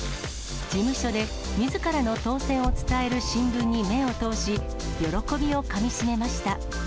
事務所でみずからの当選を伝える新聞に目を通し、喜びをかみしめました。